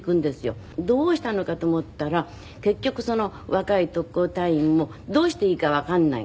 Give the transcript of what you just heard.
どうしたのかと思ったら結局若い特攻隊員もどうしていいかわかんない。